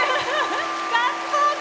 ガッツポーズ！